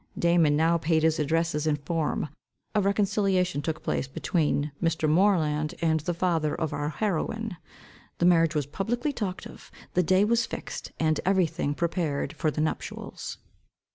Damon now paid his addresses in form. A reconciliation took place between Mr. Moreland and the father of our heroine. The marriage was publicly talked of, the day was fixed, and every thing prepared for the nuptials.